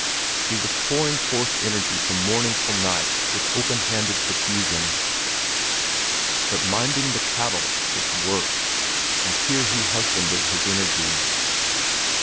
He was pouring forth energy from morning till night with open handed profusion. But minding the cattle was work, and here he husbanded his energy.